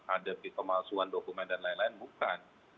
ada di pemalsuan dokumen dan lain lain bukan